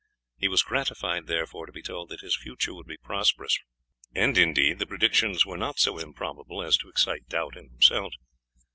He was gratified, therefore, to be told that his future would be prosperous; and, indeed, the predictions were not so improbable as to excite doubt in themselves.